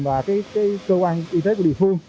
và cơ quan y tế của địa phương